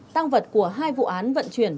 tăng vật của hai vụ án vận chuyển